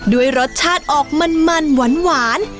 ด้วยรสชาติออกมันหวาน